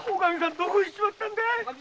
どこ行っちまったんだ！